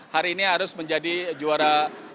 hari ini harus menjadi juara